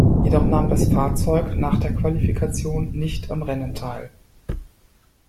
Jedoch nahm das Fahrzeug, nach der Qualifikation nicht am Rennen teil.